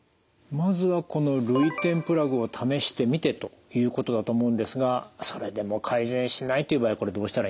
まずはこの涙点プラグを試してみてということだと思うんですがそれでも改善しないという場合はこれどうしたらいいんでしょう？